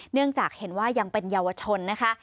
เนื่องจากเห็นว่ายังเป็นเยาวชนนะคะ